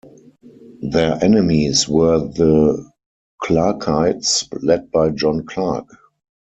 Their enemies were the Clarkites, led by John Clark.